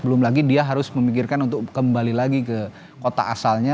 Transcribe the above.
belum lagi dia harus memikirkan untuk kembali lagi ke kota asalnya